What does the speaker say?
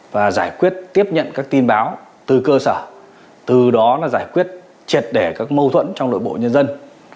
và giải quyết tiếp nhận các tin báo từ cơ sở từ đó là giải quyết triệt đẻ các mâu thuẫn trong đội bộ nhân dân